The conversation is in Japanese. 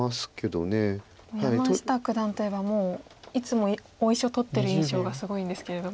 山下九段といえばもういつも大石を取ってる印象がすごいんですけれども。